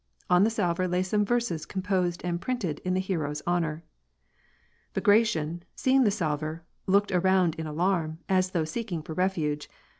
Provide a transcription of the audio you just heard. On the salver lay some verses composed and printed in the hero's honor. Bagration, seeing the salver, looked around in alarm, as though seeking for refuge.